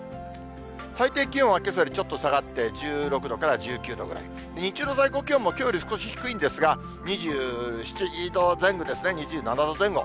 最低気温はけさよりちょっと下がって、１６度から１９度ぐらい、日中の最高気温もきょうより少し低いんですが、２７度前後ですね、２７度前後。